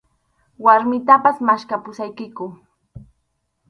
Warmitapas maskhapusaykiku.